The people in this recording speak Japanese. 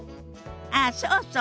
ああそうそう。